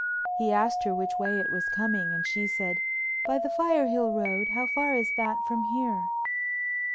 He asked her which way it was coming and she said: "By the Firehill Road. How far is that from here?"